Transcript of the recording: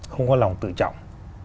không có lòng tự trọng